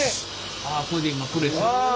あこれで今プレス。